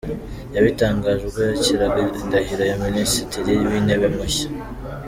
Yabitangaje ubwo yakiraga indahiro ya Minisitiri w’Intebe mushya.